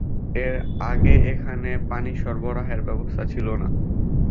এর আগে এখানে পানি সরবরাহের ব্যবস্থা ছিলনা।